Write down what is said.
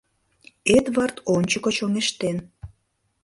Эдвард ончыко чоҥештен.